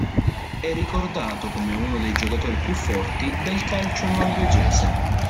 È ricordato come uno dei giocatori più forti del calcio norvegese.